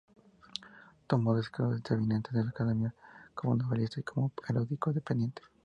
Tomó descansos intermitentes de la academia, como novelista y como erudito independiente.